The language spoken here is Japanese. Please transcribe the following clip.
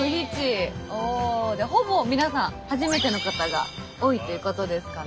おおじゃあほぼ皆さん初めての方が多いっていうことですかね？